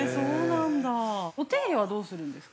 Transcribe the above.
◆お手入れはどうするんですか。